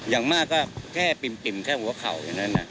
อย่างมากก็แค่ปิ่มแค่หัวเข่าอย่างนั้น